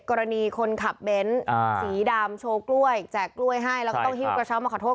กรณีคนขับเบ้นสีดำโชว์กล้วยแจกกล้วยให้แล้วก็ต้องหิ้วกระเช้ามาขอโทษ